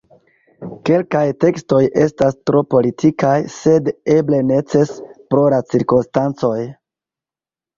Kelkaj tekstoj estas tro politikaj, sed eble necese pro la cirkonstancoj.